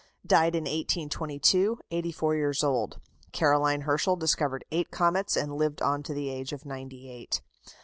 Died in 1822, eighty four years old. Caroline Herschel discovered eight comets, and lived on to the age of ninety eight.